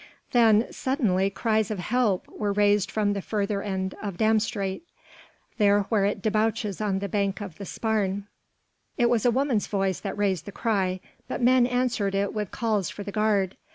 Then suddenly cries of "Help!" were raised from the further end of Dam Straat, there where it debouches on the bank of the Spaarne. It was a woman's voice that raised the cry, but men answered it with calls for the guard.